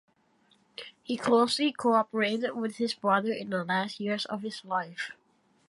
He closely cooperated with his brother in the last years of his life.